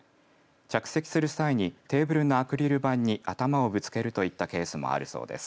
着席する際にテーブルのアクリル板に頭をぶつけるといったケースもあるそうです。